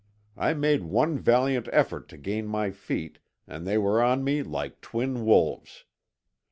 I made one valiant effort to gain my feet, and they were on me like twin wolves.